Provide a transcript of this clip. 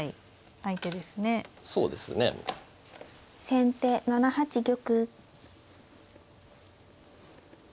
先手７八玉。